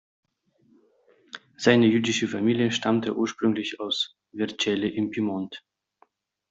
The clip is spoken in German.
Seine jüdische Familie stammte ursprünglich aus Vercelli im Piemont.